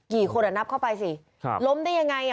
กี่คนอ่ะนับเข้าไปสิครับล้มได้ยังไงอ่ะ